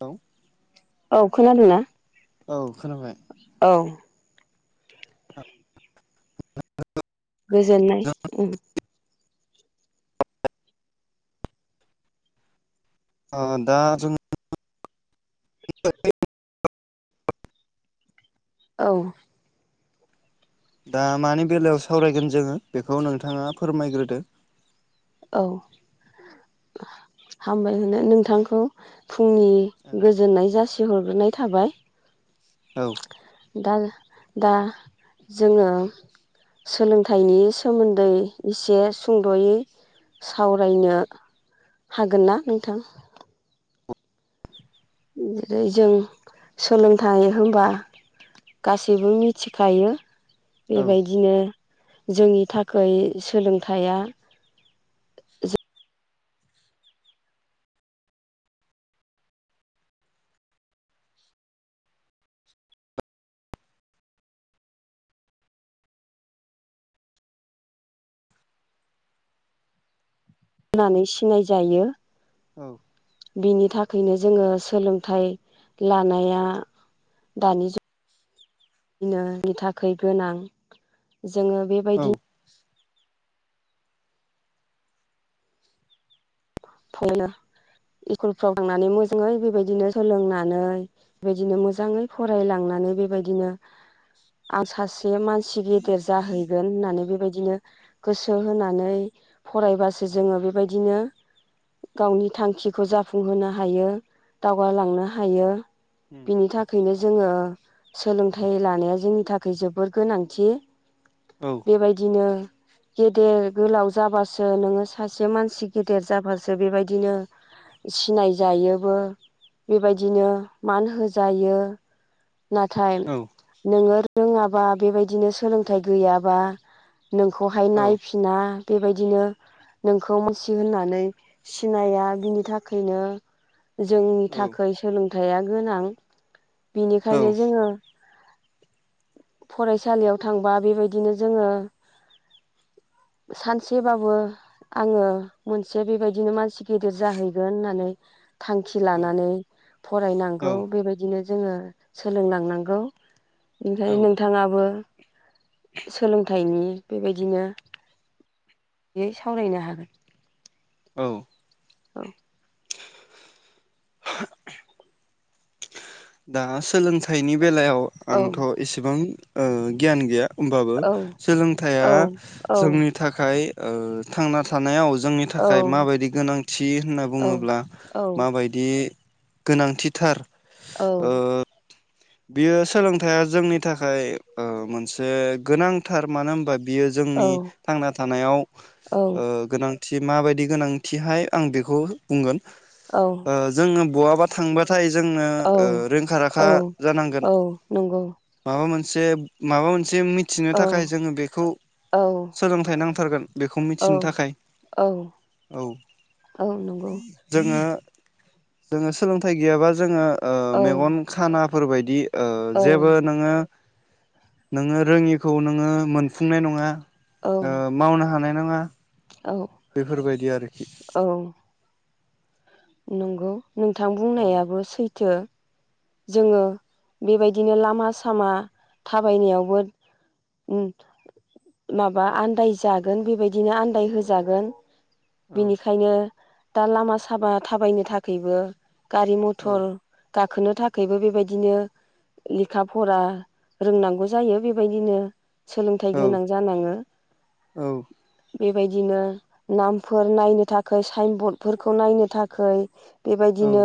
औ औ खोनादों ना औ खोनाबाय [unintelligible] गोजोननाय उम ओ दा जों औ दा मानि बेलायाव सावरायगोन जोङो बेखौ नोंथाङा फोरमायग्रोदो औ हामबाय होनो नोंथांखौ फुंनि औ गोजोननाय जासि सि हरग्रोनाय थाबाय औ दा दा जोङो सोलोंथाइनि सोमोन्दै एसे सुंद'यै सावरायनो हागोन ना नोंथां जेरै जों सोलोंथाइ होनबा गासैबो मिथिखायो औ बेबायदिनो जोंनि थाखाय सोलोंथाइया होननानै सिनाय जायो औ बिनि थाखायनो जोङो सोलोंथाइ लानाया दानि जुगावनायनि थाखाय गोनां जोङो औ बेबायदि फरायनो स्कुलफ्राव थांनानै मोजाङै बेबायदिनो सोलोंनानै बेबायदिनो मोजाङै फरायलांनानै बेबायदिनो आं सासे जे मानसि गेदेर जाहैगोन होननानै बेबायदि बिदिनो गोसो होनानै फरायबासो जोङो बेबायदिनो गावनि थांखिखौ जाफुंहोनो हायो दावगालांनो हायो बिनि थाखायनो जों जोङो सोलोंथाइ लानाया जोंनि थाखाय जोबोर गोनांथि औ बेबायदिनो गेदेर गोलाव जाबासो नोङो सासे मानसि गेदेर जाबास सो बेबायदिनो सिनायजायोबो बेबायदिनो मान होजायो नाथाय नोङो रोङाबा बेबायदिनो सोलोंथाइ गैयाबा नोंखौहाय नायफिना बेबायदिनो नोंखौ मानसि होननानै सिनाया बिनि थाखायनो जोंनि थाखाय सोलोंथाइ थाइया गोनां बिनिखायनो जोङो फरायसालियाव थांबा बेबायदिनो जोङो सानसेबाबो आङो मोनसे बेबायदि बिदिनो मानसि गेदेर जाहैगोन होननानै थांखि लानानै औ फरायनांगौ बेबायदिनो जोङो सोलोंलांनांगौ औ ओनिफ्रायाय नोंथाङाबो सोलोंथाइनि बेबायदिनो सावरायनो हागोन औ औ [inaudible] दा सोलोंथाइनि बे बेलायाव औ आंथ' एसेबां गियान गैया होमबाबो औ सोलोंथाइया औ जोंनि थाखाय थांना थानायाव जोंनि थाखाय औ माबायदि गोनांथि होनना औ बुङोब्ला औ माबायदि गोनांथिथार औ ओ बियो सोलोंथाइया जोंनि थाखाय मोनसे गोनांथार मानो होनबा बियो औ जोंनि थांना थानायाव गोनां थि माबायदि गोनांथिहाय आं बेखौ बुंगोन औ जोङो बहाबा थांबा नाथाय जोंनो औ रोंखा औ राखा जानांगोन औ नंगौ माबा मोनसे माबा मोनसे जे मिथिनो औ थाखाय जोङो बेखौ औ सोलोंथाइ नांगौ नांथारगोन बेखौ औ मिथिनो थाखाय औ औ औ नंगौ जोङो जोङो सोलोंथाइ गैयाबा जोङो औ मेगन खाना फोरबायदि औ जेबो नोङो नोङो रोङिखौ नोङो मोनफुंनाय नङा औ मावनो हानाय नोङो औ बेफोरबायदि आरोखि औ नंगौ नोंथां औ बुंनायाबो सैथो जोङो बेबायदिनो लामा सामा थाबायनायावबो माबा आन्दाय जागोन बेबायदिनो आन्दाय होजागोन औ बेनिखायनो दा लामा सामा थाबायनो थाखायबो गारि औ मथर गाखोनो थाखाय थाखायबो बेबायदिनो लेखा फरा रोंनांगौ जायो बेबायदिनो सोलोंथायाइ औ गोनां जानाङो। औ बेबायदिनो नामफोर नायनो थाखाय साइनबर्डफोरखौ नायनो थाखाय। औ बेबायदिनो।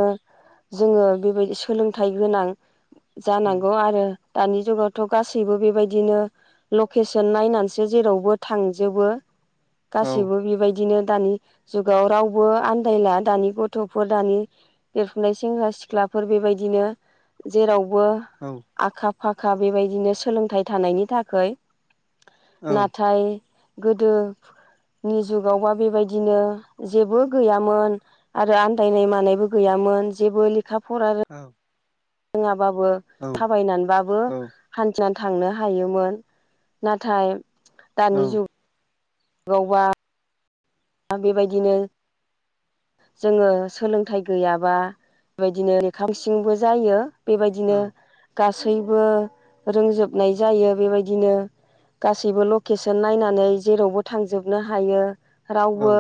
जोङो बेबाय सोलों। थाइ गोनां। औ जानांगौ आरो। दानि जुगावथ' गासैबो बेबायदिनो लकेसन नायनानैसो जेरावबो थांजोबो। औ गासैबो बेबायदिनो। दानि जुगाव रावबो आन्दायला दानि गथ'फोर दानि देरफुनाय सेंग्रा सिख्लाफोर बेबाय। दिनो जेराव। बो औ आखा। फाखा बेबायदिनो सोलोंथाइ थानायनि थाखै। नाथाय। गोदोनि जुगावबा बेबायदिनो जेबो गैयामोन आरो आन्दायनाय मानायबो गैयामोन जेबो लेखा फरा। औ। [inaudible] बाबो थाबायनानैबो थांनो हायोमोन नाथाय। दानि जुग। गावबा। दा बेबायदिनो। जोङो सोलोंथाइ गैयाबा बेदिनो सिंबो जायो। बेबायदिनो। गासैबो रोंजोबनाय जायो बेबायदिनो गासैबो लकेसन नायनानै जेरावबो थांजोबनो हायो। रावबो।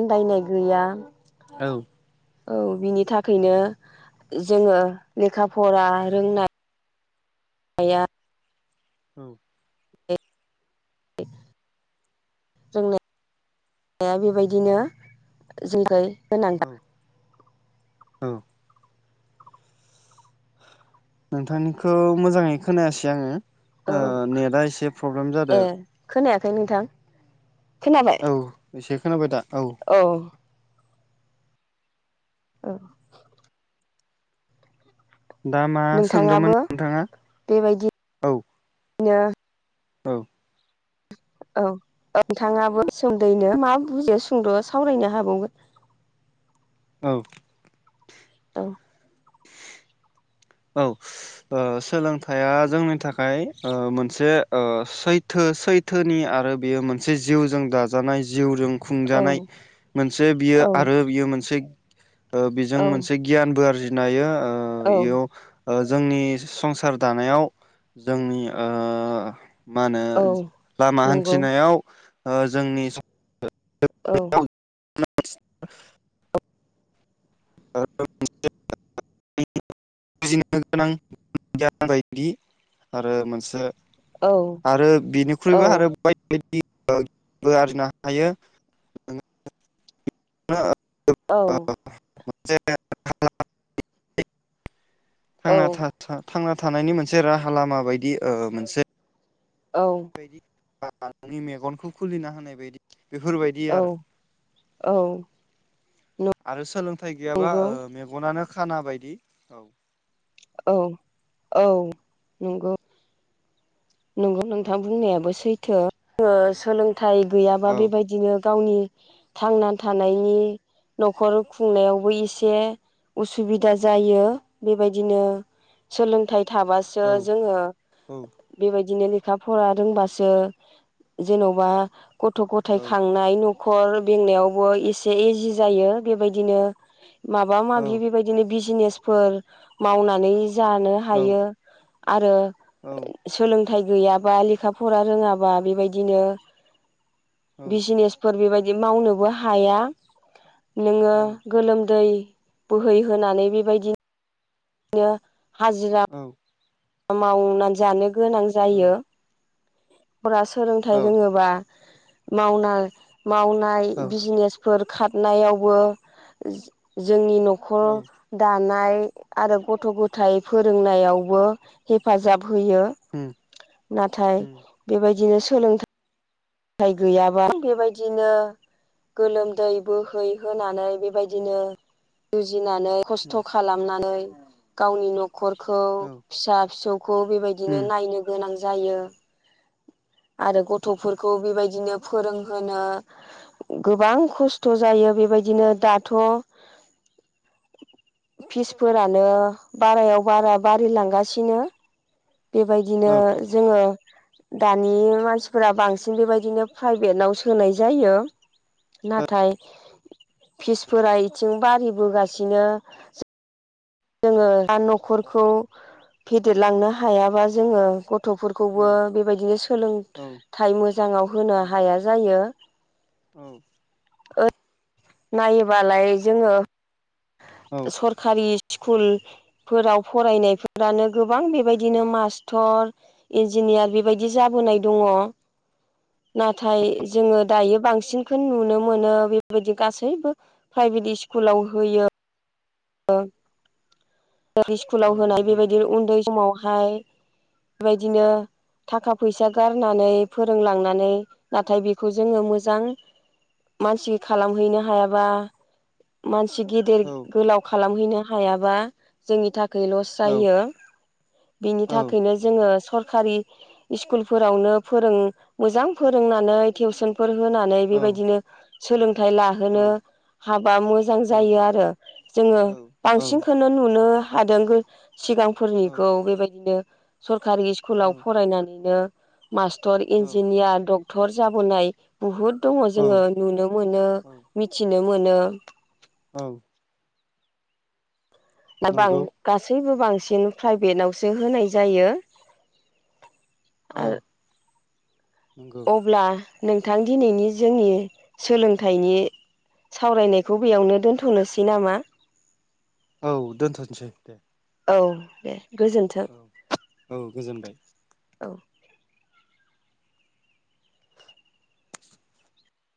आन्दायनाय गैया। औ। औ बिनि थाखायनो जोङो लेखा फरा रोंनाय। या। औ। [unintelligible] बेबायदिनो [unintelligible] औ औ। नोंथांनिखौ मोजाङै खोनायासै आङो। औ ओ नेटआ एसे प्रब्लेम जादो। खै नोथां। खोनाबाय? एसे खोनाबाय दा। औ। औ। दा मा सोंदोंमोन नोंथाङाबो नोंथाङा औ। बिदिनो। औ। औ औ नोंथाङाबो सोमोन्दैनो मा बुजि सुंद' सावरायनो हाबावगोन। औ। औ। औ सोलोंथाइया जोंनि थाखाय मोनसे सैथो सैथोनि आरो बेयो मोनसे जिउजों दाजानाय जिउजों। औ खुंजानाय मोनसे औ बियो आरो बियो मोनसे। बेजों औ मोनसे गियानबो आरजिनो। हायो। ओ औ। इयाव जोंनि संसार दानायाव जोंनि। मा होनो औ लामा नंगौ हान्थिनायाव। ओ जोंनि। औ। [inaudible] [inaudible] बुजिनो गोनां गय बायदि आरो मोनसे। औ आरो औ बिनिख्रुइबो आरो बायदि। आरजिनो हायो। [inaudible] [inaudible] औ मोनसे। थांना था थां। थानायनि मोनसे राहा लामा बायदि मोनसे। औ। बा नोंनि मेगनखौ खुलिना होनाय बायदि। बेफोरबायदि आरो औ औ आरो सोलोंथाइ गैयाबा नंगौ मेगनानो खाना बायदि औ औ औ नंगौ नोंगौ नोंथां औ बुंनायाबो सै थो सोलों थाय गैयाबा औ बेबायदिनो गावनि थांना थानायनि न'खर खुंनायावबो एसे उसुबिदा जायो बेबायदिनो सोलोंथाइ थाबासो औ जोङो औ बिदिनो लेखा फरा रोंबासो जेन'बा गथ' गथाय औ खांनाय न खर बेंनायावबो एसे इजि जायो बेबायदिनो माबा औ माबि बेबायदिनो बि जिनेसफोर मावनानै जानो औ हायो आरो औ सोलोंथाइ गैयाबा लेखा फरा रोङाबा बेबायदिनो औ बिजिनेसफोर बेबायदि मावनोबो हाया नोङो औ गोलोमदै बोहैहोनानै बेबायदिनो [inaudible] हाजिरा मावनानै जानो गोनां औ जायो फरा सोलोंथाइ औ रोङोबा मावनो मावनाय औ बिजिनेसफोर खारनायावबो जोंनि न'खर औ दा नाय आरो गथ' गथायाइ फोरोंनायावबो हेफाजाब होयो उम नाथाय उम बेबादिनो सोलों थाय गैयाबा बेबायदिनो गोलोमदै बोहै होनोनानै बेबायदिनो गिनानै उम खस्थ खालामनानै गावनि न नखरखौ औ फिसा फिसौखौ बेबायदिनो उम नायनो गोनां जायो आरो गथफोरखौ बेबायदिनो फोरोंहोनो गोबां खस्थ जायो बेबायदिनो दाथ फिसफोरानो बारायाव बारा बारिलांगासिनो। बेबायदिनो औ जोंङो दानि मानसिफोरा बांसिन बेबायदिनो प्राइभेटाव सोनाय जायो औ नाथाय फिसफोरा इथिं बारिबोगासिनो जोंङो दा नखरखौ फेदेरलांनो हायाबा जोङो ग- थफोरखौबो बेबायदिनो औ सोलोंथाइ मोजांङाव होनो हाया जायो औ ओ नायोबालाय जोंङो औ सरकारि स्कुल फोराव फरायनायफोरानो गोबां बेबायदिनो मास्टर इन्जिनियार बेबायदि जाबोनाय दंङ नाथाय जोंङो दायो बांसिनखौ नुनो मोनो बेबायदि गासैबो प्राइभेट स्कुलाव होयो [unintelligible] स्कुलाव औ होनाय नंगौ बेबायदि उन्दै समाव बेहाय बेबायदिनो थाखा फैसा गारनानै फोरोंलांनानै नाथाय बेखौ जोंङो मोजां मानसि खालामहैनो हायाबा गिदिर औ गोलाव खालाम हैनो हायाबा जोंनि थाखाय लस औ औ जायो बिनि औ थाखायनो जोंङो सर- कारि स्कुलफोरावनो फोरों मोजां फोरोंनानै टिउसन फोर होनानै औ बेबायदिनो सोलों- थाय लाहोनो हाबा मोजां जायो आरो जोंङो औ औ बांसिनखौनो नु- [unintelligible] हादों औ सिगांफोरनिखौ बेबायदिनो सर- खारि औ स्कुलाव फरायनानैनो मास्टर औ इन्जिनियार दा डक्टर जाबोनाय बुहुद दंङ जोंङो नुनो मोनो औ मि नो मोनो औ दा बां नंगौ गासैबो बां- सिन प्राइभेनावसो होनाय जायो। औ आरो नंगौ अब्ला नोंथां दिनैनि जोंनि सोलोंथाइनि सावरायनायखौ बेयावनो दोन्थ'नोसै नामा? औ दोनथ'नोसै दे। औ दे गोजोन्थों औ औ गोजोनबाय। औ